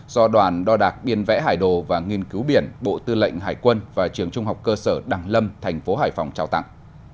do đoàn đo đạc biên vẽ hải đồ và nghiên cứu biển bộ tư lệnh hải quân và trường trung học cơ sở đăng lâm thành phố hải phòng trao tặng